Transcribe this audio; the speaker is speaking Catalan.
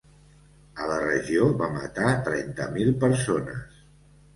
A la regió va matar trenta mil persones.